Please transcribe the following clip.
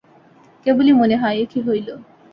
কেবলই মনে হয়, এ কী হইল!